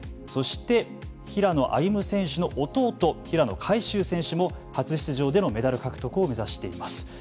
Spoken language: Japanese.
そして平野歩夢選手の弟平野海祝選手も初出場でのメダル獲得を目指しています。